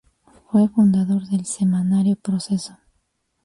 Fue fundador del "Semanario Proceso".